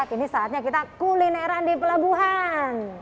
kini saatnya kita kulineran di pelabuhan